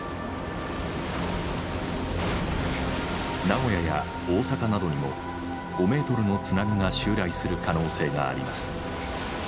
名古屋や大阪などにも５ｍの津波が襲来する可能性があります。